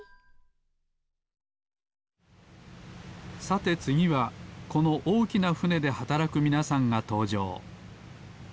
さてつぎはこのおおきなふねではたらくみなさんがとうじょう。